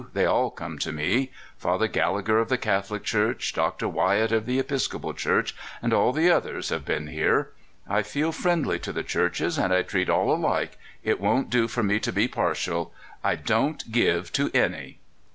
They all come to me. Father Gallagher, of the CathoHc Church, Dr. Wyatt, of the Episcopal Church, and all the others, have been here. I feel friendly to the Churches, and I treat all alike — it won't do for me to be partial — I don' t give to any!